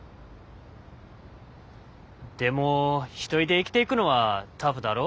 でも一人で生きていくのはタフだろう？